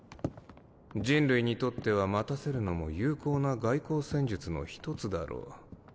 人類にとっては待たせるのも有効な外交戦術の一つだろう？